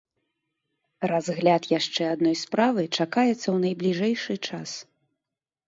Разгляд яшчэ адной справы чакаецца ў найбліжэйшы час.